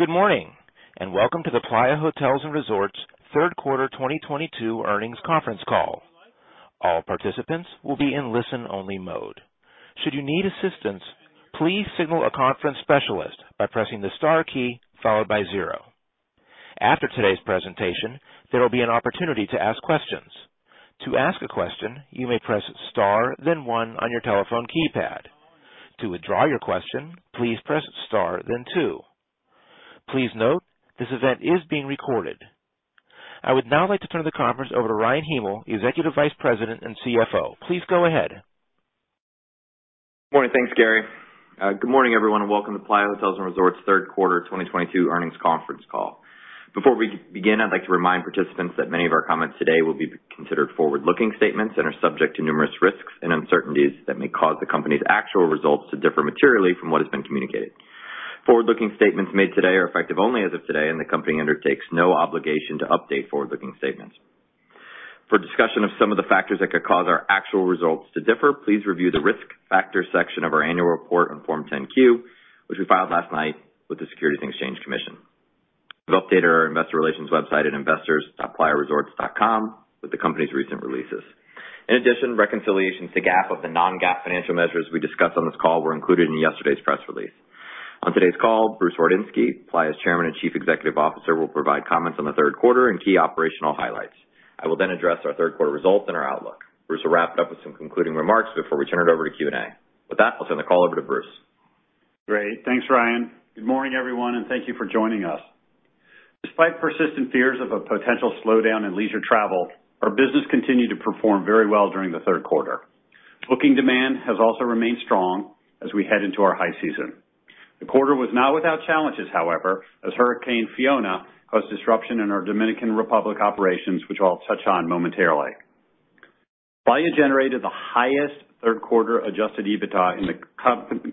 Good morning, and welcome to the Playa Hotels & Resorts Q3 2022 Earnings Conference Call. All participants will be in listen only mode. Should you need assistance, please signal a conference specialist by pressing the star key followed by zero. After today's presentation, there will be an opportunity to ask questions. To ask a question, you may press star then one on your telephone keypad. To withdraw your question, please press star then two. Please note this event is being recorded. I would now like to turn the conference over to Ryan Hymel, Executive Vice President and CFO. Please go ahead. Morning. Thanks, Gary. Good morning, everyone, and welcome to Playa Hotels & Resorts Q3 2022 Earnings Conference Call. Before we begin, I'd like to remind participants that many of our comments today will be considered forward-looking statements and are subject to numerous risks and uncertainties that may cause the company's actual results to differ materially from what has been communicated. Forward-looking statements made today are effective only as of today, and the company undertakes no obligation to update forward-looking statements. For discussion of some of the factors that could cause our actual results to differ, please review the Risk Factors section of our Annual Report on Form 10-Q, which we filed last night with the Securities and Exchange Commission. We've updated our investor relations website at investors.playaresorts.com with the company's recent releases. In addition, reconciliations to GAAP of the non-GAAP financial measures we discuss on this call were included in yesterday's press release. On today's call, Bruce Wardinski, Playa's Chairman and Chief Executive Officer, will provide comments on the Q3 and key operational highlights. I will then address our Q3 results and our outlook. Bruce Wardinski will wrap it up with some concluding remarks before we turn it over to Q&A. With that, I'll turn the call over to Bruce Wardinski. Great. Thanks, Ryan. Good morning, everyone, and thank you for joining us. Despite persistent fears of a potential slowdown in leisure travel, our business continued to perform very well during the Q3. Booking demand has also remained strong as we head into our high season. The quarter was not without challenges, however, as Hurricane Fiona caused disruption in our Dominican Republic operations, which I'll touch on momentarily. Playa generated the highest Q3 adjusted EBITDA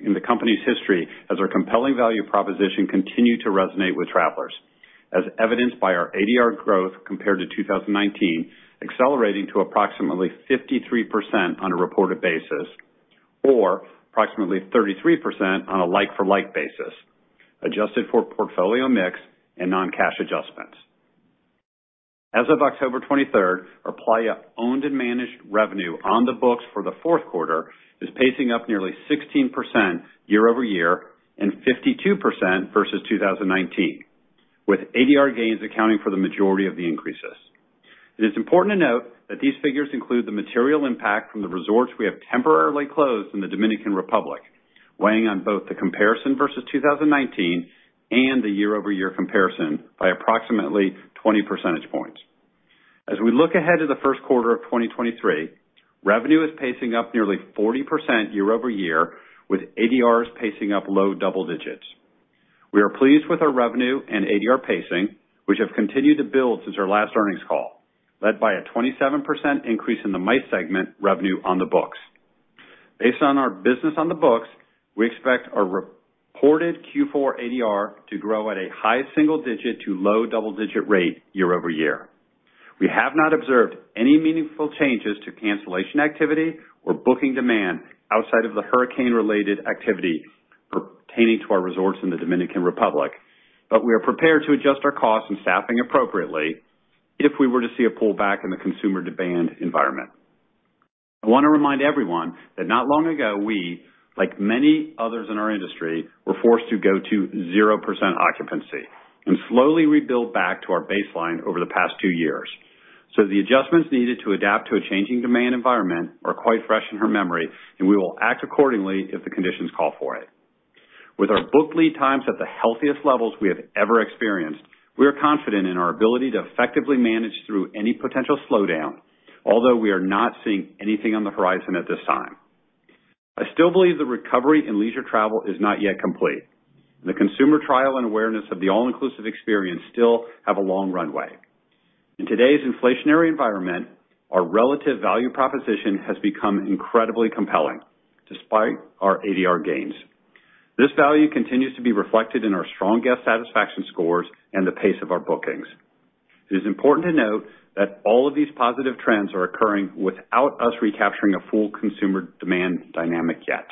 in the company's history as our compelling value proposition continued to resonate with travelers, as evidenced by our ADR growth compared to 2019 accelerating to approximately 53% on a reported basis, or approximately 33% on a like-for-like basis, adjusted for portfolio mix and non-cash adjustments. As of October 23rd, our Playa owned and managed revenue on the books for the Q4 is pacing up nearly 16% year-over-year and 52% versus 2019, with ADR gains accounting for the majority of the increases. It is important to note that these figures include the material impact from the resorts we have temporarily closed in the Dominican Republic, weighing on both the comparison versus 2019 and the year-over-year comparison by approximately 20 percentage points. As we look ahead to the Q1 of 2023, revenue is pacing up nearly 40% year-over-year, with ADRs pacing up low double digits. We are pleased with our revenue and ADR pacing, which have continued to build since our last earnings call, led by a 27% increase in the MICE segment revenue on the books. Based on our business on the books, we expect our reported Q4 ADR to grow at a high single digit to low double-digit rate year-over-year. We have not observed any meaningful changes to cancellation activity or booking demand outside of the hurricane-related activity pertaining to our resorts in the Dominican Republic, but we are prepared to adjust our costs and staffing appropriately if we were to see a pullback in the consumer demand environment. I wanna remind everyone that not long ago, we, like many others in our industry, were forced to go to 0% occupancy and slowly rebuild back to our baseline over the past two years. The adjustments needed to adapt to a changing demand environment are quite fresh in our memory, and we will act accordingly if the conditions call for it. With our book lead times at the healthiest levels we have ever experienced, we are confident in our ability to effectively manage through any potential slowdown, although we are not seeing anything on the horizon at this time. I still believe the recovery in leisure travel is not yet complete. The consumer trial and awareness of the all-inclusive experience still have a long runway. In today's inflationary environment, our relative value proposition has become incredibly compelling despite our ADR gains. This value continues to be reflected in our strong guest satisfaction scores and the pace of our bookings. It is important to note that all of these positive trends are occurring without us recapturing a full consumer demand dynamic yet.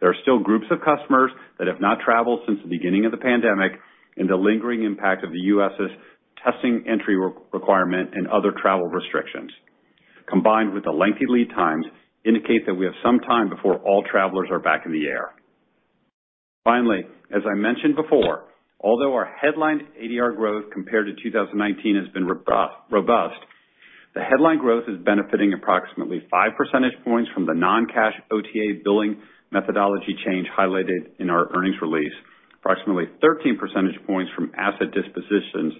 There are still groups of customers that have not traveled since the beginning of the pandemic, and the lingering impact of the U.S.'s testing and entry requirements and other travel restrictions, combined with the lengthy lead times, indicate that we have some time before all travelers are back in the air. Finally, as I mentioned before, although our headlined ADR growth compared to 2019 has been robust, the headline growth is benefiting approximately 5 percentage points from the non-cash OTA billing methodology change highlighted in our earnings release, approximately 13 percentage points from asset dispositions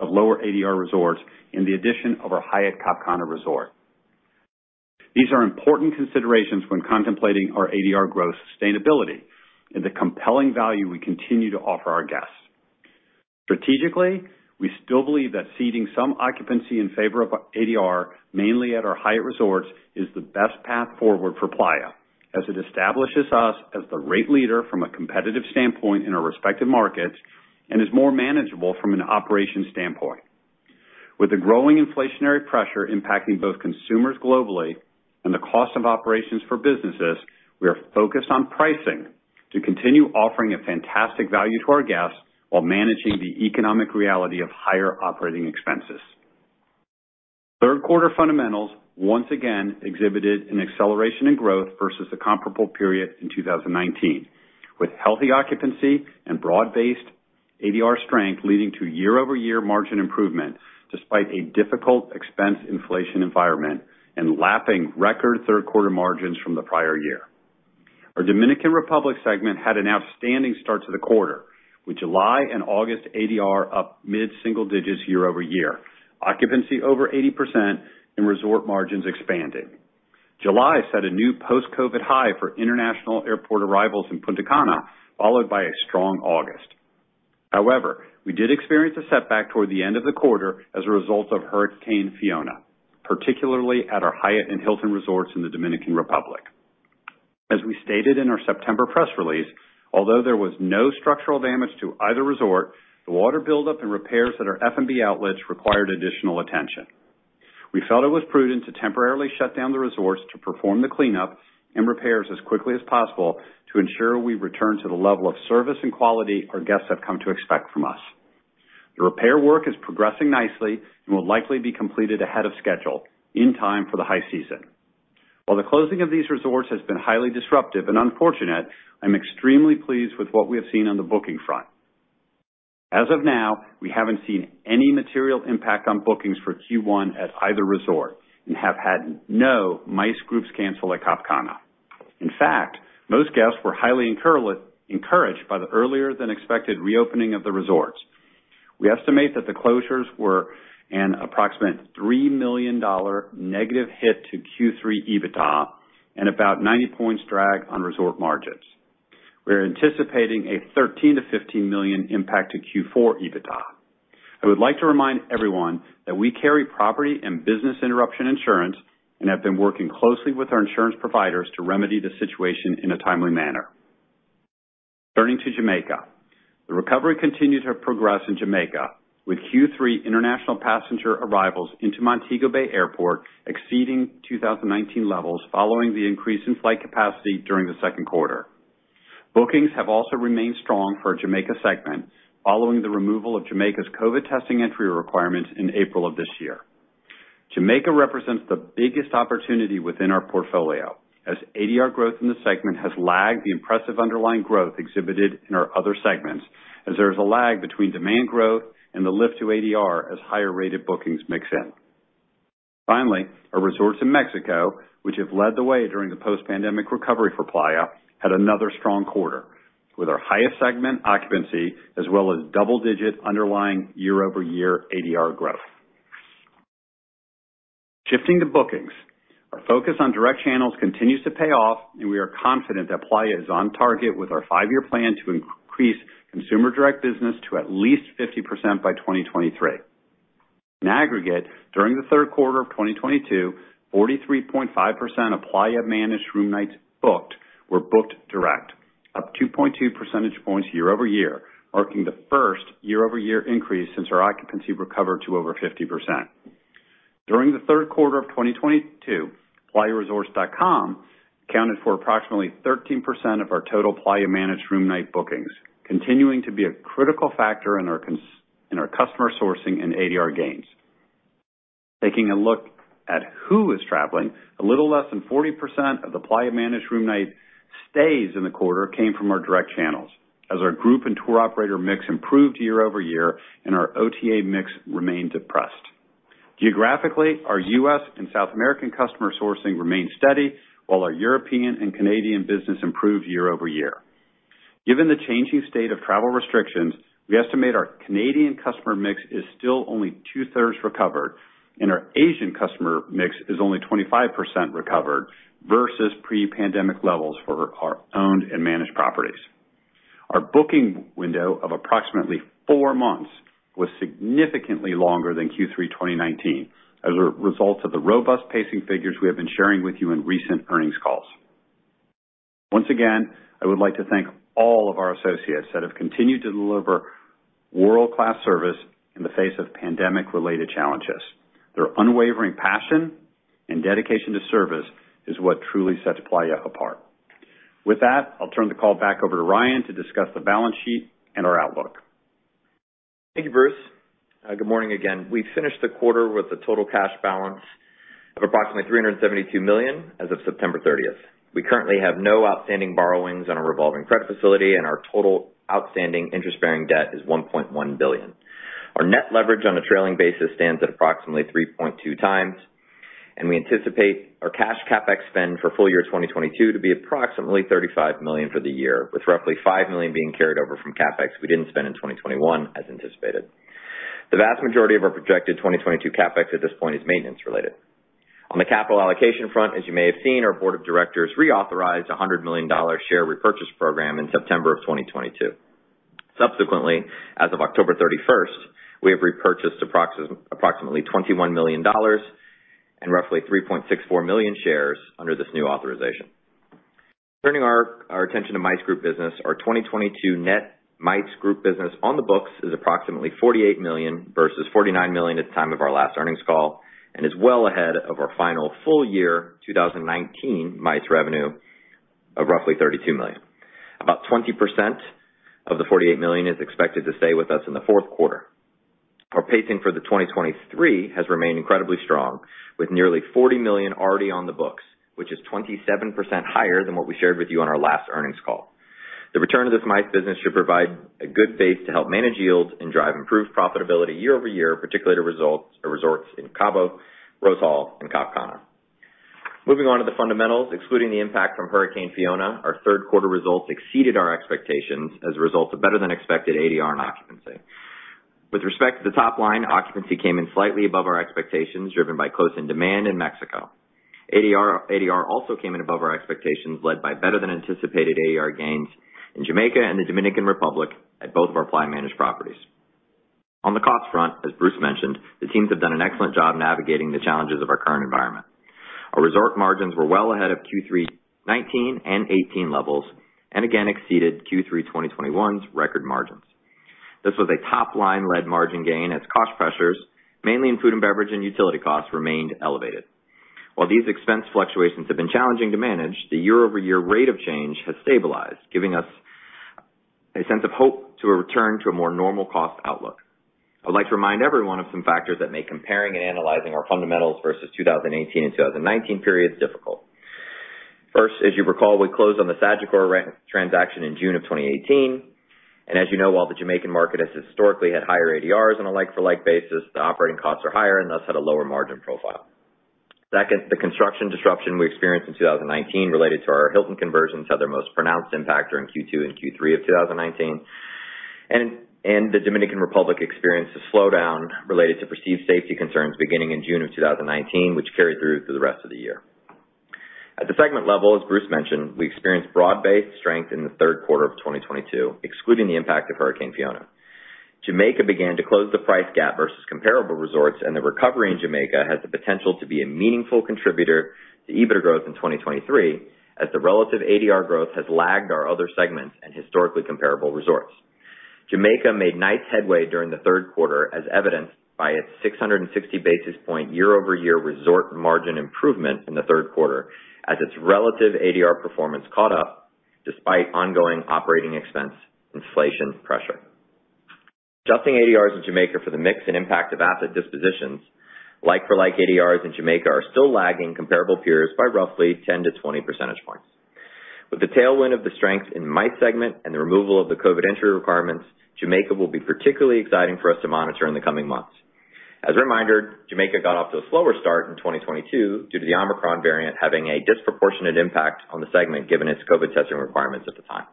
of lower ADR resorts and the addition of our Hyatt Cap Cana resort. These are important considerations when contemplating our ADR growth sustainability and the compelling value we continue to offer our guests. Strategically, we still believe that ceding some occupancy in favor of ADR, mainly at our Hyatt resorts, is the best path forward for Playa, as it establishes us as the rate leader from a competitive standpoint in our respective markets and is more manageable from an operations standpoint. With the growing inflationary pressure impacting both consumers globally and the cost of operations for businesses, we are focused on pricing to continue offering a fantastic value to our guests while managing the economic reality of higher operating expenses. Q3 fundamentals once again exhibited an acceleration in growth versus the comparable period in 2019, with healthy occupancy and broad-based ADR strength leading to year-over-year margin improvement despite a difficult expense inflation environment and lapping record Q3 margins from the prior year. Our Dominican Republic segment had an outstanding start to the quarter, with July and August ADR up mid-single digits year-over-year, occupancy over 80% and resort margins expanding. July set a new post-COVID high for international airport arrivals in Punta Cana, followed by a strong August. However, we did experience a setback toward the end of the quarter as a result of Hurricane Fiona, particularly at our Hyatt and Hilton resorts in the Dominican Republic. As we stated in our September press release, although there was no structural damage to either resort, the water buildup and repairs at our F&B outlets required additional attention. We felt it was prudent to temporarily shut down the resorts to perform the cleanup and repairs as quickly as possible to ensure we return to the level of service and quality our guests have come to expect from us. The repair work is progressing nicely and will likely be completed ahead of schedule, in time for the high season. While the closing of these resorts has been highly disruptive and unfortunate, I'm extremely pleased with what we have seen on the booking front. As of now, we haven't seen any material impact on bookings for Q1 at either resort and have had no MICE groups cancel at Cap Cana. In fact, most guests were highly encouraged by the earlier than expected reopening of the resorts. We estimate that the closures were an approximate $3 million negative hit to Q3 EBITDA and about 90 points drag on resort margins. We are anticipating a $13 million-$15 million impact to Q4 EBITDA. I would like to remind everyone that we carry property and business interruption insurance and have been working closely with our insurance providers to remedy the situation in a timely manner. Turning to Jamaica. The recovery continued to progress in Jamaica with Q3 international passenger arrivals into Montego Bay Airport exceeding 2019 levels following the increase in flight capacity during the Q2. Bookings have also remained strong for our Jamaica segment following the removal of Jamaica's COVID testing entry requirements in April of this year. Jamaica represents the biggest opportunity within our portfolio as ADR growth in the segment has lagged the impressive underlying growth exhibited in our other segments as there is a lag between demand growth and the lift to ADR as higher rated bookings mix in. Finally, our resorts in Mexico, which have led the way during the post-pandemic recovery for Playa, had another strong quarter with our highest segment occupancy as well as double-digit underlying year-over-year ADR growth. Shifting to bookings. Our focus on direct channels continues to pay off, and we are confident that Playa is on target with our five-year plan to increase consumer direct business to at least 50% by 2023. In aggregate, during the Q3 of 2022, 43.5% of Playa-managed room nights booked were booked direct, up 2.2 percentage points year-over-year, marking the first year-over-year increase since our occupancy recovered to over 50%. During the Q3 of 2022, playaresorts.com accounted for approximately 13% of our total Playa-managed room night bookings, continuing to be a critical factor in our customer sourcing and ADR gains. Taking a look at who is traveling, a little less than 40% of the Playa-managed room night stays in the quarter came from our direct channels as our group and tour operator mix improved year-over-year and our OTA mix remained depressed. Geographically, our US and South American customer sourcing remained steady while our European and Canadian business improved year-over-year. Given the changing state of travel restrictions, we estimate our Canadian customer mix is still only 2/3 recovered, and our Asian customer mix is only 25% recovered versus pre-pandemic levels for our owned and managed properties. Our booking window of approximately 4 months was significantly longer than Q3 2019 as a result of the robust pacing figures we have been sharing with you in recent earnings calls. Once again, I would like to thank all of our associates that have continued to deliver world-class service in the face of pandemic related challenges. Their unwavering passion and dedication to service is what truly sets Playa apart. With that, I'll turn the call back over to Ryan to discuss the balance sheet and our outlook. Thank you, Bruce. Good morning again. We finished the quarter with a total cash balance of approximately $372 million as of September 30th. We currently have no outstanding borrowings on a revolving credit facility, and our total outstanding interest-bearing debt is $1.1 billion. Our net leverage on a trailing basis stands at approximately 3.2x, and we anticipate our cash CapEx spend for full year 2022 to be approximately $35 million for the year, with roughly $5 million being carried over from CapEx we didn't spend in 2021 as anticipated. The vast majority of our projected 2022 CapEx at this point is maintenance related. On the capital allocation front, as you may have seen, our board of directors reauthorized a $100 million share repurchase program in September 2022. Subsequently, as of October 31st, we have repurchased approximately $21 million and roughly 3.64 million shares under this new authorization. Turning our attention to MICE group business. Our 2022 net MICE group business on the books is approximately $48 million versus $49 million at the time of our last earnings call, and is well ahead of our final full year 2019 MICE revenue of roughly $32 million. About 20% of the $48 million is expected to stay with us in the Q4. Our pacing for the 2023 has remained incredibly strong, with nearly $40 million already on the books, which is 27% higher than what we shared with you on our last earnings call. The return of this MICE business should provide a good base to help manage yields and drive improved profitability year-over-year, particularly to resorts in Cabo, Rose Hall and Cap Cana. Moving on to the fundamentals. Excluding the impact from Hurricane Fiona, our Q3 results exceeded our expectations as a result of better than expected ADR and occupancy. With respect to the top line, occupancy came in slightly above our expectations, driven by close-in demand in Mexico. ADR also came in above our expectations, led by better than anticipated ADR gains in Jamaica and the Dominican Republic at both of our Hyatt managed properties. On the cost front, as Bruce mentioned, the teams have done an excellent job navigating the challenges of our current environment. Our resort margins were well ahead of Q3 2019 and 2018 levels, and again exceeded Q3 2021's record margins. This was a top line led margin gain as cost pressures, mainly in food and beverage and utility costs, remained elevated. While these expense fluctuations have been challenging to manage, the year-over-year rate of change has stabilized, giving us a sense of hope to a return to a more normal cost outlook. I'd like to remind everyone of some factors that make comparing and analyzing our fundamentals versus 2018 and 2019 periods difficult. First, as you recall, we closed on the Sagicor transaction in June of 2018. As you know, while the Jamaican market has historically had higher ADRs on a like-for-like basis, the operating costs are higher and thus had a lower margin profile. Second, the construction disruption we experienced in 2019 related to our Hilton conversions had their most pronounced impact during Q2 and Q3 of 2019. The Dominican Republic experienced a slowdown related to perceived safety concerns beginning in June of 2019, which carried through to the rest of the year. At the segment level, as Bruce mentioned, we experienced broad-based strength in the Q3 of 2022, excluding the impact of Hurricane Fiona. Jamaica began to close the price gap versus comparable resorts, and the recovery in Jamaica has the potential to be a meaningful contributor to EBITDA growth in 2023, as the relative ADR growth has lagged our other segments and historically comparable resorts. Jamaica made nice headway during the Q3, as evidenced by its 660 basis point year-over-year resort margin improvement in the Q3 as its relative ADR performance caught up despite ongoing operating expense inflation pressure. Adjusting ADRs in Jamaica for the mix and impact of asset dispositions, like-for-like ADRs in Jamaica are still lagging comparable peers by roughly 10-20 percentage points. With the tailwind of the strength in MICE segment and the removal of the COVID entry requirements, Jamaica will be particularly exciting for us to monitor in the coming months. As a reminder, Jamaica got off to a slower start in 2022 due to the Omicron variant having a disproportionate impact on the segment given its COVID testing requirements at the time.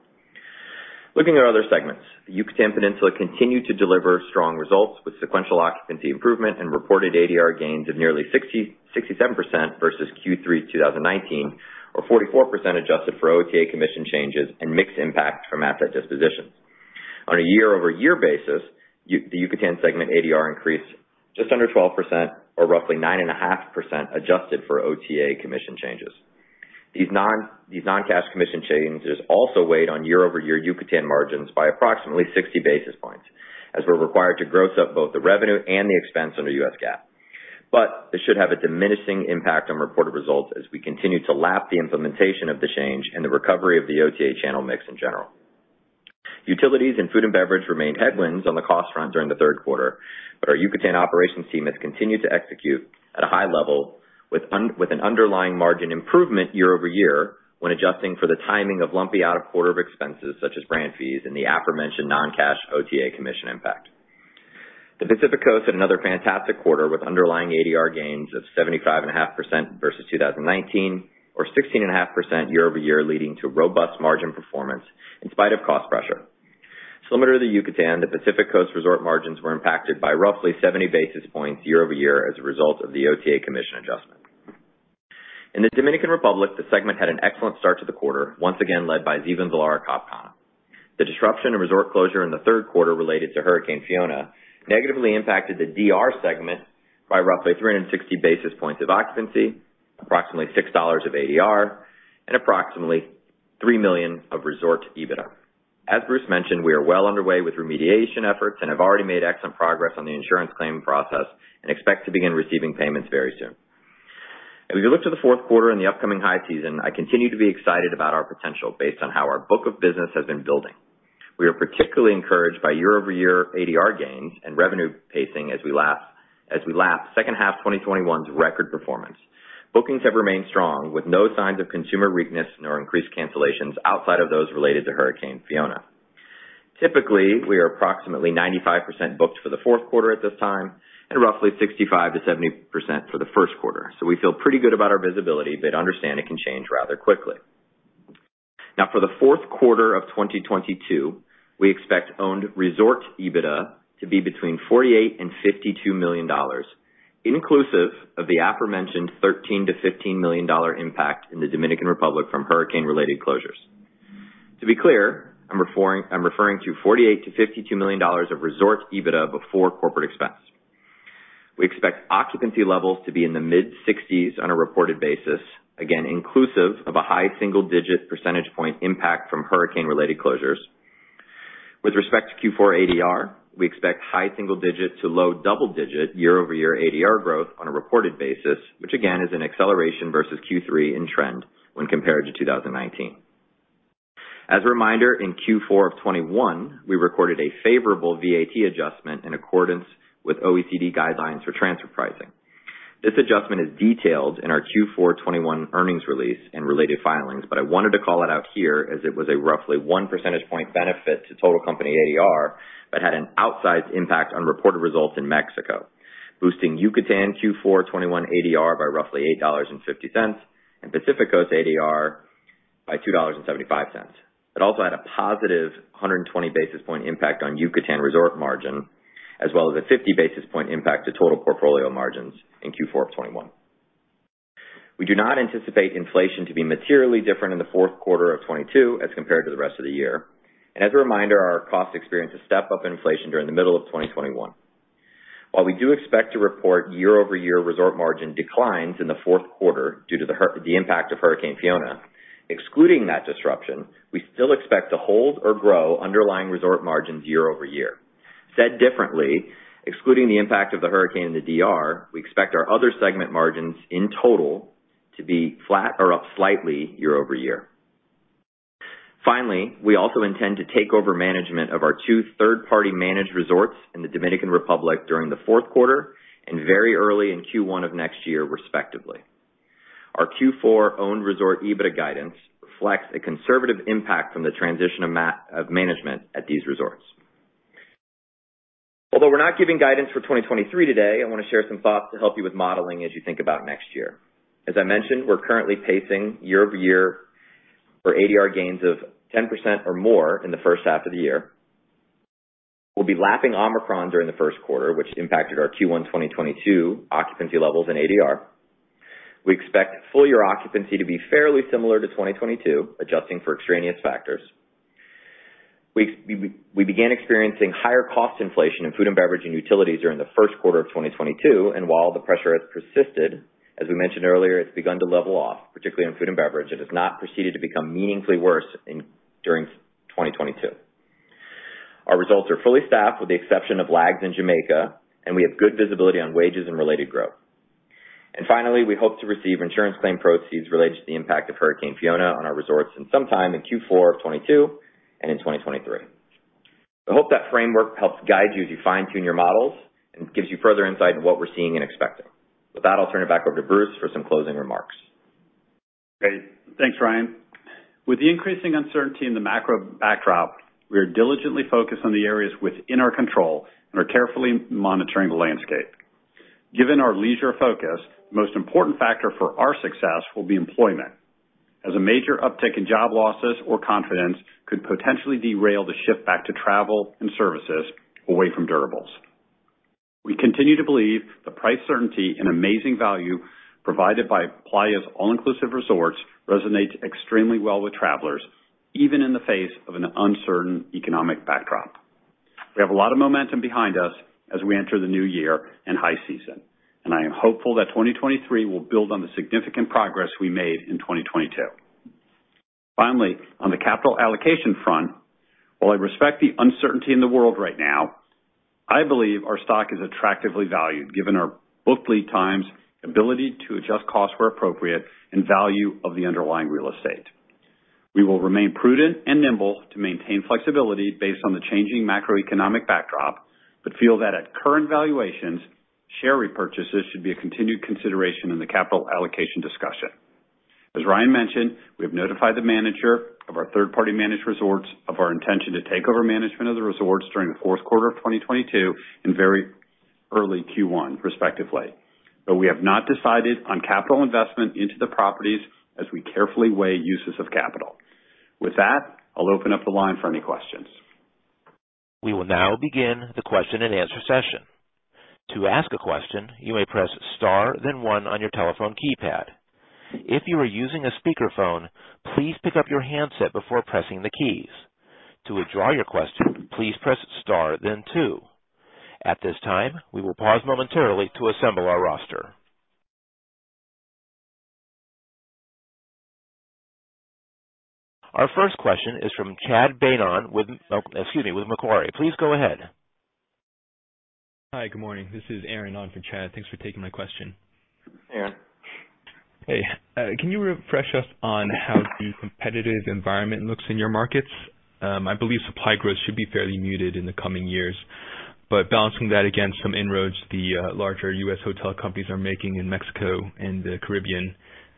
Looking at other segments, Yucatán Peninsula continued to deliver strong results with sequential occupancy improvement and reported ADR gains of nearly 67% versus Q3 2019, or 44% adjusted for OTA commission changes and mix impact from asset dispositions. On a year-over-year basis, the Yucatán segment ADR increased just under 12% or roughly 9.5% adjusted for OTA commission changes. These non-cash commission changes also weighed on year-over-year Yucatán margins by approximately 60 basis points, as we're required to gross up both the revenue and the expense under U.S. GAAP. This should have a diminishing impact on reported results as we continue to lap the implementation of the change and the recovery of the OTA channel mix in general. Utilities and food and beverage remained headwinds on the cost front during the Q3, but our Yucatán operations team has continued to execute at a high level with an underlying margin improvement year-over-year when adjusting for the timing of lumpy out-of-quarter expenses such as brand fees and the aforementioned non-cash OTA commission impact. The Pacific Coast had another fantastic quarter with underlying ADR gains of 75.5% versus 2019 or 16.5% year-over-year, leading to robust margin performance in spite of cost pressure. Similar to the Yucatán, the Pacific Coast resort margins were impacted by roughly 70 basis points year-over-year as a result of the OTA commission adjustment. In the Dominican Republic, the segment had an excellent start to the quarter, once again led by Hyatt Ziva and Hyatt Zilara Cap Cana. The disruption and resort closure in the Q3 related to Hurricane Fiona negatively impacted the DR segment by roughly 360 basis points of occupancy, approximately $6 of ADR, and approximately $3 million of resort EBITDA. As Bruce mentioned, we are well underway with remediation efforts and have already made excellent progress on the insurance claim process and expect to begin receiving payments very soon. As we look to the Q4 and the upcoming high season, I continue to be excited about our potential based on how our book of business has been building. We are particularly encouraged by year-over-year ADR gains and revenue pacing as we lap second half 2021's record performance. Bookings have remained strong, with no signs of consumer weakness nor increased cancellations outside of those related to Hurricane Fiona. Typically, we are approximately 95% booked for the Q4 at this time, and roughly 65%-70% for the Q1. We feel pretty good about our visibility, but understand it can change rather quickly. Now for the Q4 of 2022, we expect owned resort EBITDA to be between $48 million and $52 million, inclusive of the aforementioned $13 million-$15 million impact in the Dominican Republic from Hurricane-related closures. To be clear, I'm referring to $48 million-$52 million of resort EBITDA before corporate expense. We expect occupancy levels to be in the mid-60s on a reported basis, again inclusive of a high single-digit percentage point impact from Hurricane-related closures. With respect to Q4 ADR, we expect high single digit to low double digit year-over-year ADR growth on a reported basis, which again is an acceleration versus Q3 in trend when compared to 2019. As a reminder, in Q4 of 2021 we recorded a favorable VAT adjustment in accordance with OECD guidelines for transfer pricing. This adjustment is detailed in our Q4 2021 earnings release and related filings, but I wanted to call it out here as it was a roughly 1 percentage point benefit to total company ADR, but had an outsized impact on reported results in Mexico, boosting Yucatán Q4 2021 ADR by roughly $8.50 and Pacific Coast ADR by $2.75. It also had a positive 120 basis point impact on Yucatán resort margin as well as a 50 basis point impact to total portfolio margins in Q4 of 2021. We do not anticipate inflation to be materially different in the Q4 of 2022 as compared to the rest of the year. As a reminder, our cost experience is step up inflation during the middle of 2021. While we do expect to report year-over-year resort margin declines in the Q4 due to the impact of Hurricane Fiona, excluding that disruption, we still expect to hold or grow underlying resort margins year-over-year. Said differently, excluding the impact of the hurricane in the DR, we expect our other segment margins in total to be flat or up slightly year-over-year. Finally, we also intend to take over management of our two third-party managed resorts in the Dominican Republic during the Q4 and very early in Q1 of next year, respectively. Our Q4 owned resort EBITDA guidance reflects a conservative impact from the transition of management at these resorts. Although we're not giving guidance for 2023 today, I want to share some thoughts to help you with modeling as you think about next year. As I mentioned, we're currently pacing year-over-year ADR gains of 10% or more in the first half of the year. We'll be lapping Omicron during the Q1, which impacted our Q1 2022 occupancy levels in ADR. We expect full year occupancy to be fairly similar to 2022, adjusting for extraneous factors. We began experiencing higher cost inflation in food and beverage and utilities during the Q1 of 2022. While the pressure has persisted, as we mentioned earlier, it's begun to level off, particularly on food and beverage, it has not proceeded to become meaningfully worse in, during 2022. Our resorts are fully staffed with the exception of lags in Jamaica, and we have good visibility on wages and related growth. Finally, we hope to receive insurance claim proceeds related to the impact of Hurricane Fiona on our resorts in sometime in Q4 of 2022 and in 2023. I hope that framework helps guide you as you fine tune your models and gives you further insight into what we're seeing and expecting. With that, I'll turn it back over to Bruce for some closing remarks. Great. Thanks, Ryan. With the increasing uncertainty in the macro backdrop, we are diligently focused on the areas within our control and are carefully monitoring the landscape. Given our leisure focus, the most important factor for our success will be employment, as a major uptick in job losses or confidence could potentially derail the shift back to travel and services away from durables. We continue to believe the price certainty and amazing value provided by Playa's all inclusive resorts resonates extremely well with travelers, even in the face of an uncertain economic backdrop. We have a lot of momentum behind us as we enter the new year and high season, and I am hopeful that 2023 will build on the significant progress we made in 2022. Finally, on the capital allocation front, while I respect the uncertainty in the world right now, I believe our stock is attractively valued given our book lead times, ability to adjust costs where appropriate, and value of the underlying real estate. We will remain prudent and nimble to maintain flexibility based on the changing macroeconomic backdrop, but feel that at current valuations, share repurchases should be a continued consideration in the capital allocation discussion. As Ryan mentioned, we have notified the manager of our third party managed resorts of our intention to take over management of the resorts during the Q4 of 2022 and very early Q1 respectively. We have not decided on capital investment into the properties as we carefully weigh uses of capital. With that, I'll open up the line for any questions. We will now begin the question and answer session. To ask a question, you may press star then one on your telephone keypad. If you are using a speakerphone, please pick up your handset before pressing the keys. To withdraw your question, please press star then two. At this time, we will pause momentarily to assemble our roster. Our first question is from Chad Beynon with, oh, excuse me, with Macquarie. Please go ahead. Hi. Good morning. This is Aaron on for Chad. Thanks for taking my question. Aaron. Hey. Can you refresh us on how the competitive environment looks in your markets? I believe supply growth should be fairly muted in the coming years, but balancing that against some inroads the larger U.S. hotel companies are making in Mexico and the Caribbean,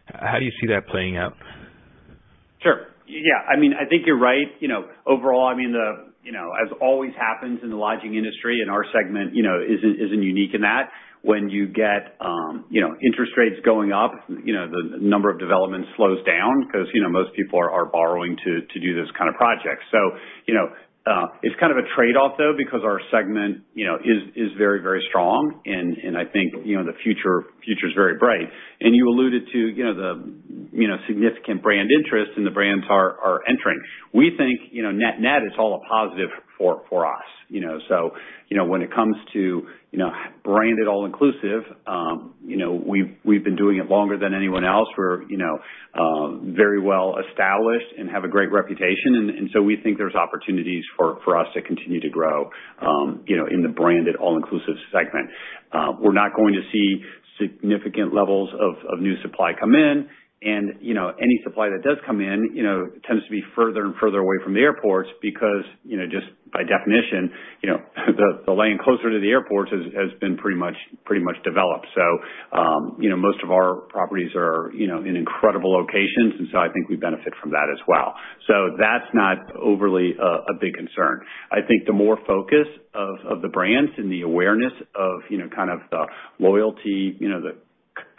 how do you see that playing out? Sure. Yeah, I mean, I think you're right. You know, overall, I mean, you know, as always happens in the lodging industry and our segment, you know, isn't unique in that when you get, you know, interest rates going up, you know, the number of developments slows down because, you know, most people are borrowing to do those kind of projects. So, you know, it's kind of a trade off, though, because our segment, you know, is very strong and I think, you know, the future is very bright. You alluded to, you know, the You know, significant brand interest and the brands are entering. We think, you know, net-net is all a positive for us. You know, when it comes to branded all-inclusive, you know, we've been doing it longer than anyone else. We're, you know, very well established and have a great reputation. We think there's opportunities for us to continue to grow, you know, in the branded all-inclusive segment. We're not going to see significant levels of new supply come in and, you know, any supply that does come in, you know, tends to be further and further away from the airports because, you know, just by definition, you know, the land closer to the airports has been pretty much developed. you know, most of our properties are, you know, in incredible locations, and so I think we benefit from that as well. That's not overly a big concern. I think the more focus of the brands and the awareness of, you know, kind of the loyalty, you know, the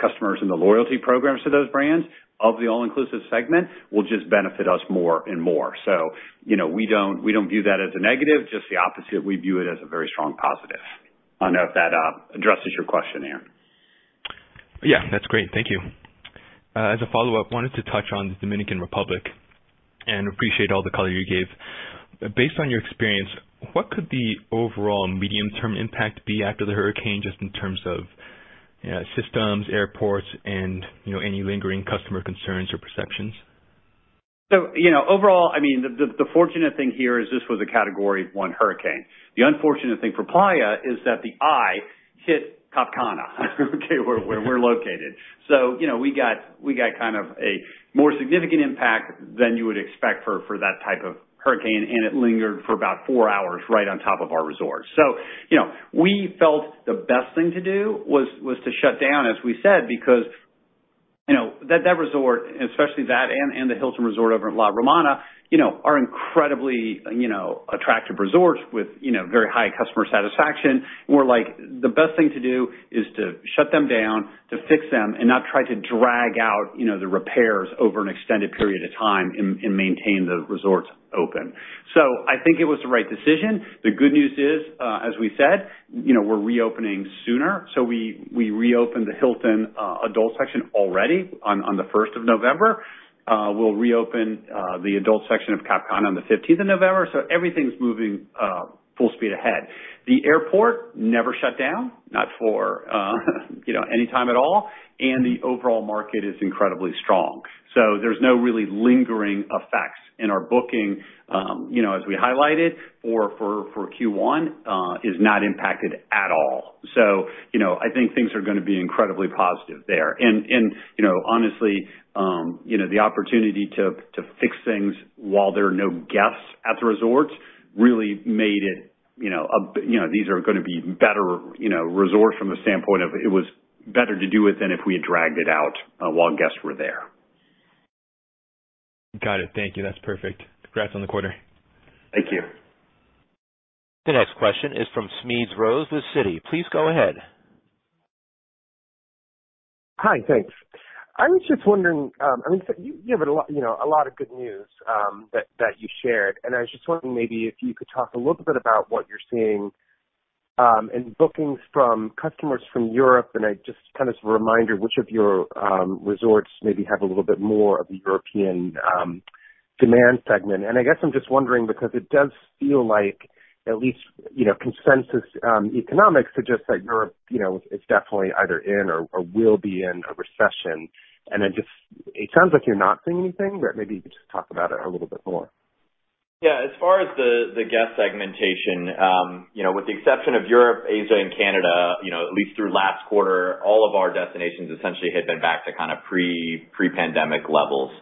customers in the loyalty programs to those brands of the all-inclusive segment will just benefit us more and more. you know, we don't view that as a negative, just the opposite. We view it as a very strong positive. I don't know if that addresses your question, Aaron. Yeah. That's great. Thank you. As a follow-up, wanted to touch on the Dominican Republic and appreciate all the color you gave. Based on your experience, what could the overall medium-term impact be after the hurricane, just in terms of, systems, airports and, you know, any lingering customer concerns or perceptions? You know, overall, I mean, the fortunate thing here is this was a Category One hurricane. The unfortunate thing for Playa is that the eye hit Cap Cana, okay, where we're located. You know, we got kind of a more significant impact than you would expect for that type of hurricane, and it lingered for about four hours, right on top of our resort. You know, we felt the best thing to do was to shut down, as we said, because, you know, that resort, especially that and the Hilton La Romana, you know, are incredibly, you know, attractive resorts with, you know, very high customer satisfaction. We're like, "The best thing to do is to shut them down, to fix them, and not try to drag out, you know, the repairs over an extended period of time and maintain the resorts open." I think it was the right decision. The good news is, as we said, you know, we're reopening sooner. We reopened the Hilton adult section already on the first of November. We'll reopen the adult section of Cap Cana on the fifteenth of November. Everything's moving full speed ahead. The airport never shut down, not for, you know, any time at all, and the overall market is incredibly strong. There's no really lingering effects in our booking. You know, as we highlighted, for Q1 is not impacted at all. You know, I think things are gonna be incredibly positive there. You know, honestly, you know, the opportunity to fix things while there are no guests at the resorts really made it you know these are gonna be better you know resorts from a standpoint of it was better to do it than if we had dragged it out while guests were there. Got it. Thank you. That's perfect. Congrats on the quarter. Thank you. The next question is from Smedes Rose with Citi. Please go ahead. Hi. Thanks. I was just wondering. I mean, you have a lot, you know, a lot of good news that you shared. I was just wondering maybe if you could talk a little bit about what you're seeing in bookings from customers from Europe. Just kind of as a reminder, which of your resorts maybe have a little bit more of the European demand segment. I guess I'm just wondering because it does feel like at least, you know, consensus economics suggests that Europe, you know, is definitely either in or will be in a recession. It sounds like you're not seeing anything, but maybe you could just talk about it a little bit more. Yeah. As far as the guest segmentation, you know, with the exception of Europe, Asia and Canada, you know, at least through last quarter, all of our destinations essentially had been back to kinda pre-pandemic levels.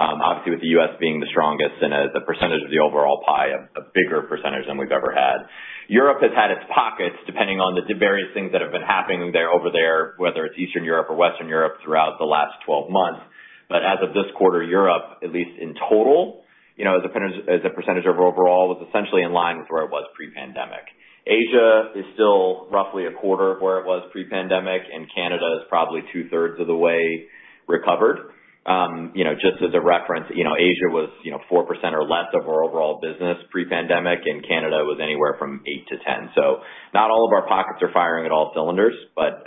Obviously with the U.S. being the strongest and as a percentage of the overall pie, a bigger percentage than we've ever had. Europe has had its pockets, depending on the various things that have been happening there, over there, whether it's Eastern Europe or Western Europe, throughout the last 12 months. As of this quarter, Europe, at least in total, you know, as a percentage of overall, was essentially in line with where it was pre-pandemic. Asia is still roughly a quarter of where it was pre-pandemic, and Canada is probably two-thirds of the way recovered. You know, just as a reference, you know, Asia was, you know, 4% or less of our overall business pre-pandemic, and Canada was anywhere from 8%-10%. Not all of our pockets are firing at all cylinders, but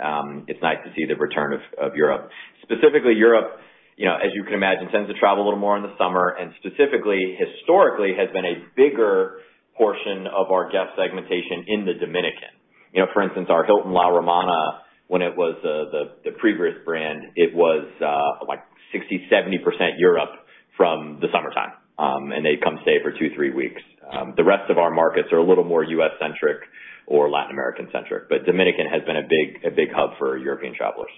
it's nice to see the return of Europe. Specifically, Europe, you know, as you can imagine, tends to travel a little more in the summer and specifically, historically, has been a bigger portion of our guest segmentation in the Dominican. You know, for instance, our Hilton La Romana, when it was the previous brand, it was like 60%-70% Europe from the summertime. And they'd come stay for 2-3 weeks. The rest of our markets are a little more U.S.-centric or Latin American-centric, but Dominican has been a big hub for European travelers.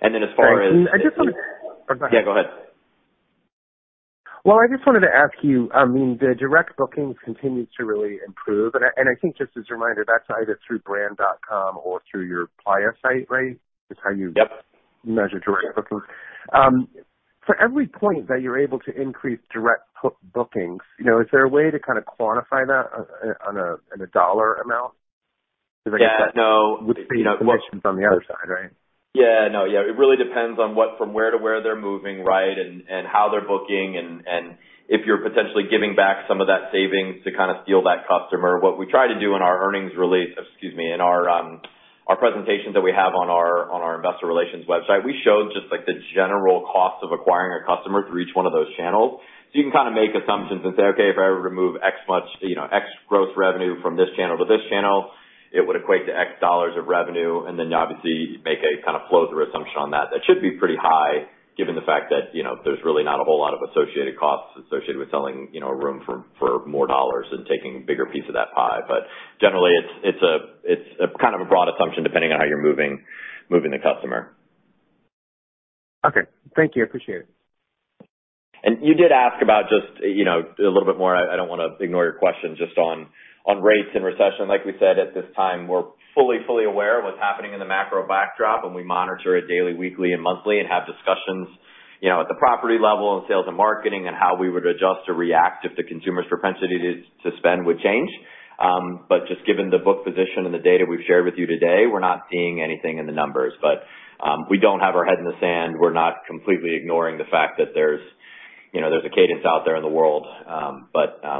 And then as far as- Sorry. Oh, go ahead. Yeah, go ahead. Well, I just wanted to ask you, I mean, the direct bookings continued to really improve. I think just as a reminder, that's either through brand.com or through your Playa site, right? Is how you- Yep. Measure direct bookings. For every point that you're able to increase direct bookings, you know, is there a way to kinda quantify that on a dollar amount? Yeah. No. Because I guess that would feed into commissions on the other side, right? Yeah. No. Yeah. It really depends from where to where they're moving, right, and how they're booking and if you're potentially giving back some of that savings to kinda steal that customer. What we try to do in our earnings release. Excuse me, in our Our presentations that we have on our investor relations website, we show just like the general cost of acquiring a customer through each one of those channels. You can kind of make assumptions and say, okay, if I remove X much, you know, X growth revenue from this channel to this channel, it would equate to X dollars of revenue. Obviously make a kind of closer assumption on that. That should be pretty high given the fact that, you know, there's really not a whole lot of associated costs associated with selling, you know, a room for more dollars and taking a bigger piece of that pie. Generally it's a kind of a broad assumption depending on how you're moving the customer. Okay. Thank you. I appreciate it. You did ask about just, you know, a little bit more. I don't wanna ignore your question just on rates and recession. Like we said at this time, we're fully aware of what's happening in the macro backdrop and we monitor it daily, weekly and monthly and have discussions, you know, at the property level and sales and marketing and how we would adjust or react if the consumer's propensity to spend would change. Just given the book position and the data we've shared with you today, we're not seeing anything in the numbers. We don't have our head in the sand. We're not completely ignoring the fact that there's, you know, a cadence out there in the world.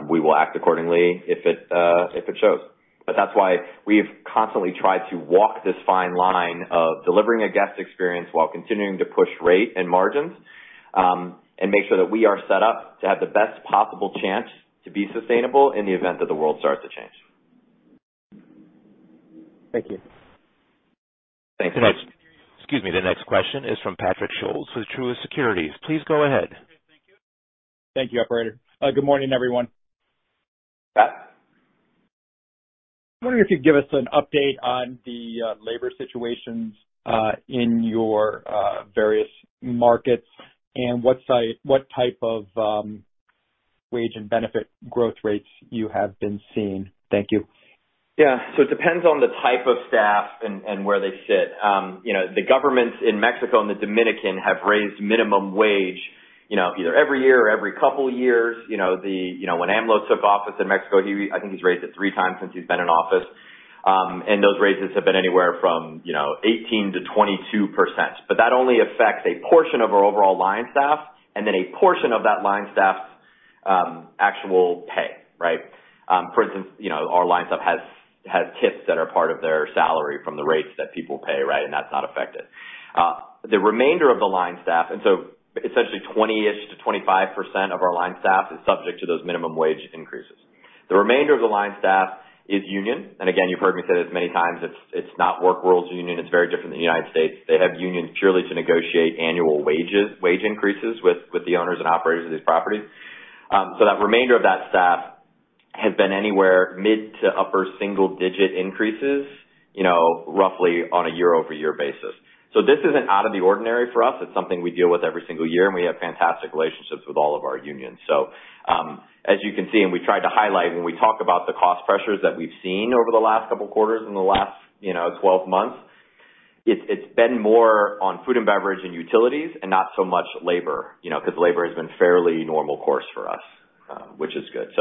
We will act accordingly if it shows. That's why we've constantly tried to walk this fine line of delivering a guest experience while continuing to push rate and margins, and make sure that we are set up to have the best possible chance to be sustainable in the event that the world starts to change. Thank you. Thanks so much. Excuse me. The next question is from Patrick Scholes with Truist Securities. Please go ahead. Thank you. Thank you, operator. Good morning everyone. Pat. I'm wondering if you'd give us an update on the labor situations in your various markets and what type of wage and benefit growth rates you have been seeing. Thank you. Yeah. It depends on the type of staff and where they sit. You know, the governments in Mexico and the Dominican have raised minimum wage, you know, either every year or every couple years. You know, when AMLO took office in Mexico, he, I think he's raised it three times since he's been in office. Those raises have been anywhere from, you know, 18%-22%. That only affects a portion of our overall line staff and then a portion of that line staff's actual pay, right? For instance, you know, our line staff has tips that are part of their salary from the rates that people pay, right? That's not affected. The remainder of the line staff, and so essentially 20-ish to 25% of our line staff is subject to those minimum wage increases. The remainder of the line staff is union, and again, you've heard me say this many times, it's not work rules union. It's very different than the United States. They have unions purely to negotiate annual wages, wage increases with the owners and operators of these properties. That remainder of that staff has been anywhere mid- to upper-single-digit increases, you know, roughly on a year-over-year basis. This isn't out of the ordinary for us. It's something we deal with every single year, and we have fantastic relationships with all of our unions. As you can see, we tried to highlight when we talk about the cost pressures that we've seen over the last couple quarters in the last 12 months, it's been more on food and beverage and utilities and not so much labor, you know, 'cause labor has been fairly normal course for us, which is good.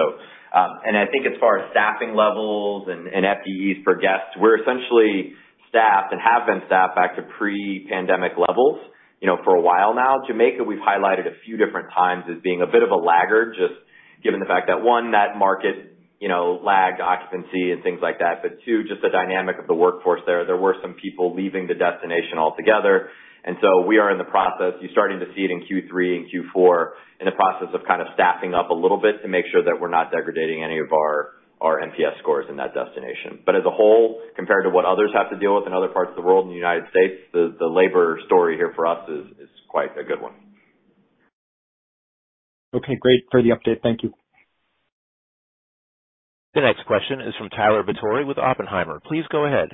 I think as far as staffing levels and FTEs per guest, we're essentially staffed and have been staffed back to pre-pandemic levels, you know, for a while now. Jamaica we've highlighted a few different times as being a bit of a laggard, just given the fact that, one, that market, you know, lagged occupancy and things like that. Two, just the dynamic of the workforce there. There were some people leaving the destination altogether, and so we are in the process. You're starting to see it in Q3 and Q4 in the process of kind of staffing up a little bit to make sure that we're not degrading any of our NPS scores in that destination. But as a whole, compared to what others have to deal with in other parts of the world, in the United States, the labor story here for us is quite a good one. Okay. Great for the update. Thank you. The next question is from Tyler Batory with Oppenheimer. Please go ahead.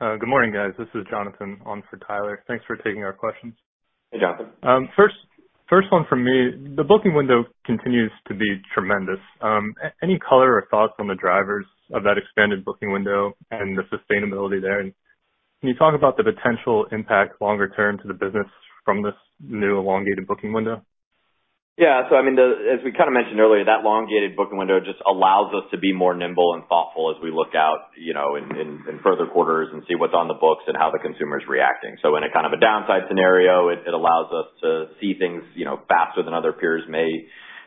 Good morning, guys. This is Jonathan on for Tyler. Thanks for taking our questions. Hey, Jonathan. First one from me. The booking window continues to be tremendous. Any color or thoughts on the drivers of that expanded booking window and the sustainability there? Can you talk about the potential impact longer term to the business from this new elongated booking window? Yeah. I mean, as we kinda mentioned earlier, that elongated booking window just allows us to be more nimble and thoughtful as we look out, you know, in further quarters and see what's on the books and how the consumer's reacting. In a kind of a downside scenario, it allows us to see things, you know, faster than other peers may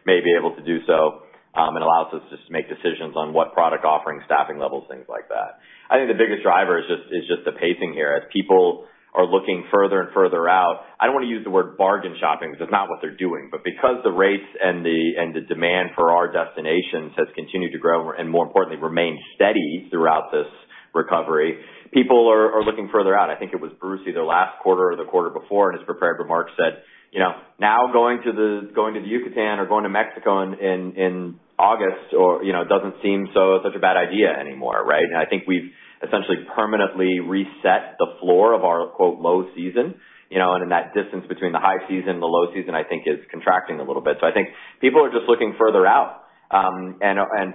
be able to do so, and allows us just to make decisions on what product offerings, staffing levels, things like that. I think the biggest driver is just the pacing here. As people are looking further and further out, I don't wanna use the word bargain shopping 'cause it's not what they're doing, but because the rates and the demand for our destinations has continued to grow and more importantly remained steady throughout this recovery, people are looking further out. I think it was Bruce either last quarter or the quarter before in his prepared remarks said, you know, now going to the Yucatán or going to Mexico in August or, you know, doesn't seem so, such a bad idea anymore, right? I think we've essentially permanently reset the floor of our, quote, "low season." You know, in that distance between the high season and the low season I think is contracting a little bit. I think people are just looking further out.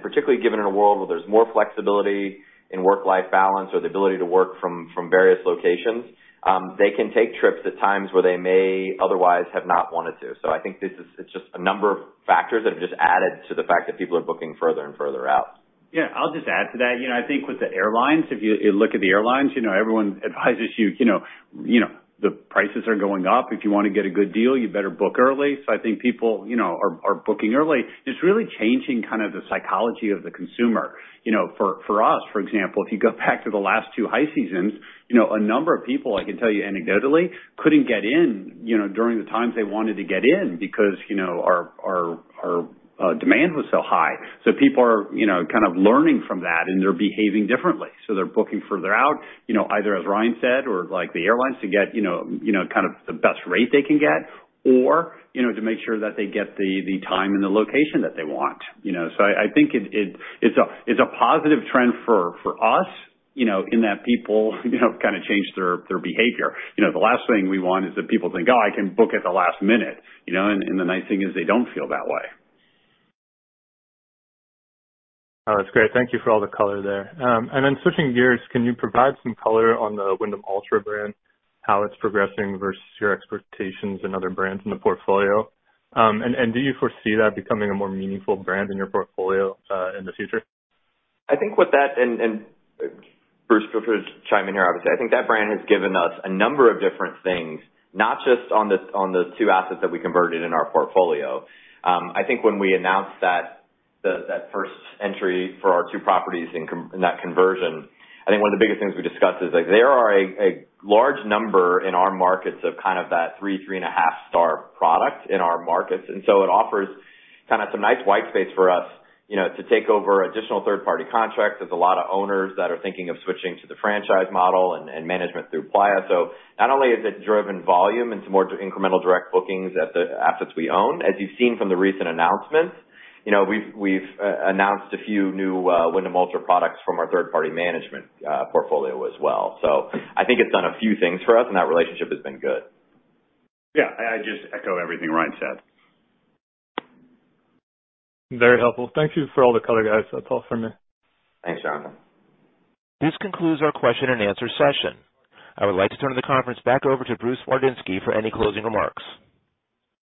Particularly given in a world where there's more flexibility in work-life balance or the ability to work from various locations, they can take trips at times where they may otherwise have not wanted to. I think it's just a number of factors that have just added to the fact that people are booking further and further out. Yeah. I'll just add to that. You know, I think with the airlines, if you look at the airlines, you know, everyone advises you know. You know, the prices are going up. If you wanna get a good deal, you better book early. I think people, you know, are booking early. It's really changing kind of the psychology of the consumer. You know, for us, for example, if you go back to the last two high seasons, you know, a number of people, I can tell you anecdotally, couldn't get in, you know, during the times they wanted to get in because, you know, our demand was so high. People are, you know, kind of learning from that, and they're behaving differently. They're booking further out, you know, either as Ryan said or like the airlines to get, you know, kind of the best rate they can get or, you know, to make sure that they get the time and the location that they want, you know. I think it. It's a positive trend for us, you know, in that people, you know, kind of change their behavior. You know, the last thing we want is that people think, "Oh, I can book at the last minute," you know, and the nice thing is they don't feel that way. Oh, that's great. Thank you for all the color there. Switching gears, can you provide some color on the Wyndham Alltra brand, how it's progressing versus your expectations and other brands in the portfolio? Do you foresee that becoming a more meaningful brand in your portfolio, in the future? I think what that and, Bruce, feel free to chime in here, obviously. I think that brand has given us a number of different things, not just on the two assets that we converted in our portfolio. I think when we announced that first entry for our two properties in that conversion, I think one of the biggest things we discussed is like there are a large number in our markets of kind of that three and a half-star product in our markets. It offers kind of some nice white space for us, you know, to take over additional third-party contracts. There's a lot of owners that are thinking of switching to the franchise model and management through Playa. Not only has it driven volume into more incremental direct bookings at the assets we own. As you've seen from the recent announcements, you know, we've announced a few new Wyndham Alltra products from our third party management portfolio as well. I think it's done a few things for us, and that relationship has been good. Yeah. I just echo everything Ryan said. Very helpful. Thank you for all the color, guys. That's all from me. Thanks, Jonathan. This concludes our question and answer session. I would like to turn the conference back over to Bruce Wardinski for any closing remarks.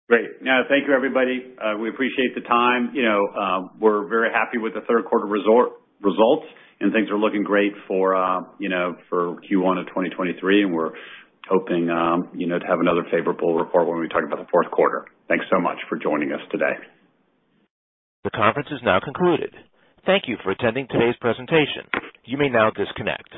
Great. No, thank you, everybody. We appreciate the time. You know, we're very happy with the Q3 resort results, and things are looking great for, you know, for Q1 of 2023, and we're hoping, you know, to have another favorable report when we talk about the Q4. Thanks so much for joining us today. The conference is now concluded. Thank you for attending today's presentation. You may now disconnect.